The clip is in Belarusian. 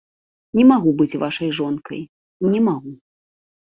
Не магу быць вашай жонкай, не магу.